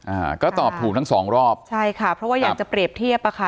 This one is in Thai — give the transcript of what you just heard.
อ่าก็ตอบถูกทั้งสองรอบใช่ค่ะเพราะว่าอยากจะเปรียบเทียบอ่ะค่ะ